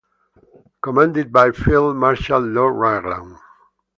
Commanded by Field Marshal Lord Raglan.